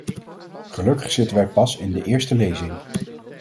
Gelukkig zitten wij pas in de eerste lezing.